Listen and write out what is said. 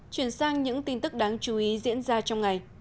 chuyển sang những tin tức đáng chú ý diễn ra trong ngày